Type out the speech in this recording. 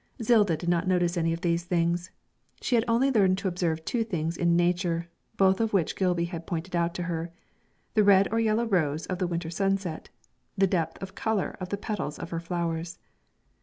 Zilda did not notice any of these things; she had only learned to observe two things in nature, both of which Gilby had pointed out to her the red or yellow rose of the winter sunset, the depth of colour in the petals of her flowers.